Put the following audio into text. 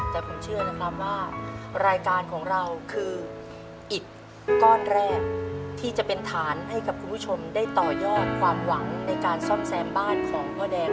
แต่ผมเชื่อนะครับว่ารายการของเราคืออีกก้อนแรกที่จะเป็นฐานให้กับคุณผู้ชมได้ต่อยอดความหวังในการซ่อมแซมบ้านของพ่อแดง